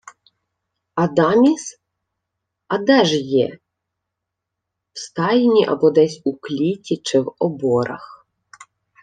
— Адаміс? А де ж є? В стайні або десь у кліті чи в оборах.